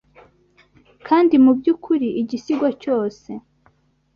kandi mubyukuri, igisigo cyose